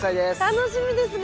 楽しみですね。